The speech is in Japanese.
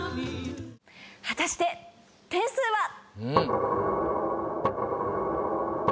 果たして点数は。